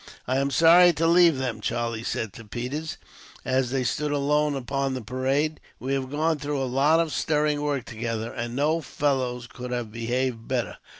"I am sorry to leave them," Charlie said to Peters, as they stood alone upon the parade. "We have gone through a lot of stirring work together, and no fellows could have behaved better."